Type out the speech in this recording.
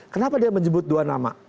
kenapa dia menyebut dua nama